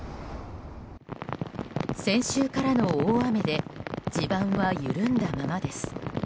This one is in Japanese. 先週からの大雨で地盤は緩んだままです。